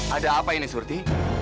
ada apa ini surti